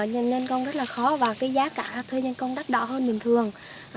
nhân công rất là khó và cái giá cả thuê nhân công đắt đỏ hơn bình thường